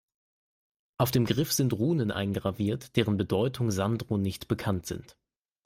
Auf dem Griff sind Runen eingraviert, deren Bedeutung Sandro nicht bekannt sind.